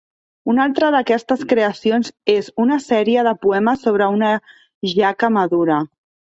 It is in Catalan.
Una altra d'aquestes creacions és una sèrie de poemes sobre una jaca madura.